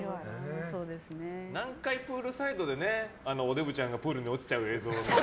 何回プールサイドでおデブちゃんがプールに落ちちゃう映像。